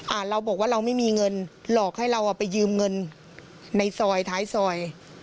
เราบอกว่าเราไม่มีเงินหลอกให้เราอ่ะไปยืมเงินในซอยท้ายซอย